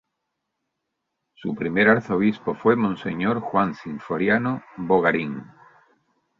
Su primer Arzobispo fue Monseñor Juan Sinforiano Bogarín.